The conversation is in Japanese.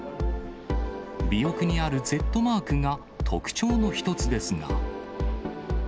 尾翼にあるＺマークが特徴の一つですが。